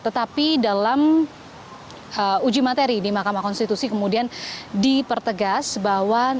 tetapi dalam uji materi di mahkamah konstitusi kemudian dipertegas bahwa